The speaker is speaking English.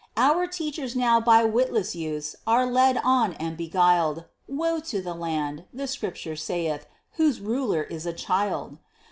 Our teachers now by witless youths are led on and beguiled: Woe to the land, the Scripture saith, whose ruler is a child!